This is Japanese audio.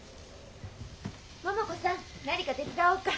桃子さん何か手伝おうか？